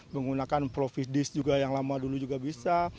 menggunakan providis juga yang lama dulu juga bisa